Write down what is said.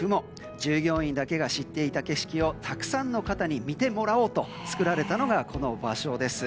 従業員だけが知っていた景色をたくさんの方に見てもらおうと作られたのがこの場所です。